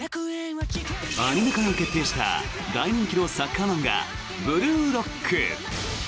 アニメ化が決定した大人気のサッカー漫画「ブルーロック」。